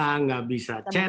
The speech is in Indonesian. tidak bisa chat